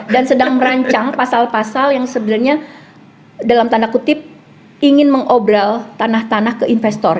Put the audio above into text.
dan sedang merancang pasal pasal yang sebenarnya dalam tanda kutip ingin mengobrol tanah tanah ke investor